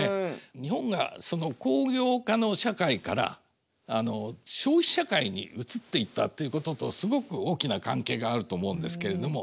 日本がその工業化の社会から消費社会に移っていったということとすごく大きな関係があると思うんですけれども。